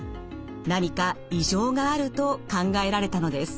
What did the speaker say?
何か異常があると考えられたのです。